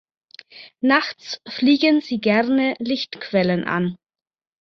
Nachts fliegen sie gerne Lichtquellen an.